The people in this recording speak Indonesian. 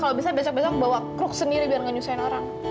kalau bisa besok besok bawa kruk sendiri biar ngeyusain orang